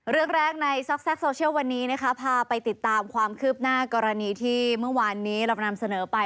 เรื่องแรกในซอกแทรกโซเชียลวันนี้นะคะพาไปติดตามความคืบหน้ากรณีที่เมื่อวานนี้เรานำเสนอไป